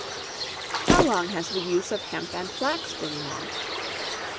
How long has the use of Hemp and Flax been known?